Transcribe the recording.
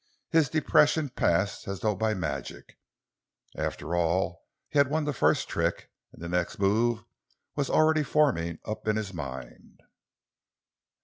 His depression passed as though by magic. After all, he had won the first trick, and the next move was already forming up in his mind.